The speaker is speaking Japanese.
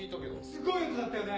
・すごい音だったよね！？